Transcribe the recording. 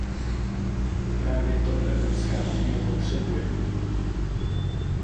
Právě to Evropská unie potřebuje.